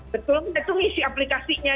betul kita tuh ngisi aplikasinya